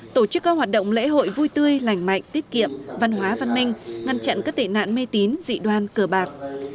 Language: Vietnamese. tổ chức các hoạt động lễ hội vui tươi lành mạnh tiết kiệm văn hóa văn minh ngăn chặn các tệ nạn mê tín dị đoan cờ bạc